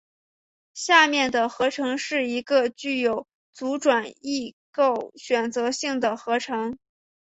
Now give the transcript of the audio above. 下面的合成是一个具有阻转异构选择性的合成。